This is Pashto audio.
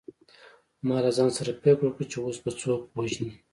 ما له ځان سره فکر وکړ چې اوس به څوک وژنې